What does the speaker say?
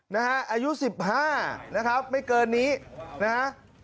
นะฮะอายุ๑๕นะครับไม่เกินนี้นะฮะ